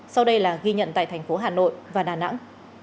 sau đây là ghi nhận tại thành phố hà nội và đà nẵng